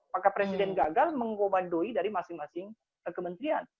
maka presiden gagal menggobadoi dari masing masing kementerian